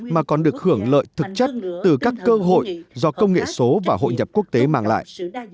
mà còn được hưởng lợi thực chất từ các cơ hội do công nghệ số và hội nhập quốc tế mang lại